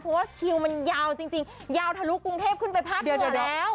เพราะว่าคิวมันยาวจริงยาวทะลุกรุงเทพขึ้นไปภาคเหนือแล้ว